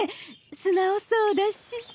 素直そうだし。